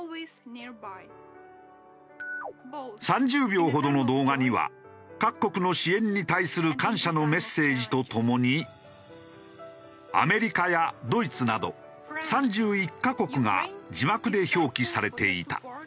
３０秒ほどの動画には各国の支援に対する感謝のメッセージとともにアメリカやドイツなど３１カ国が字幕で表記されていた。